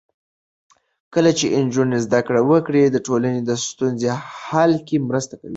کله چې نجونې زده کړه وکړي، د ټولنې د ستونزو حل کې مرسته کوي.